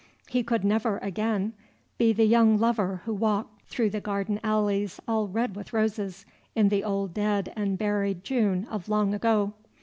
He could never again be the young lover who walked through the garden alleys all red with roses in the old dead and buried June of long ago.